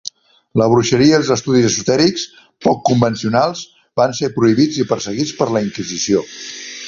La bruixeria i els estudis esotèrics poc convencionals van ser prohibits i perseguits per la Inquisició.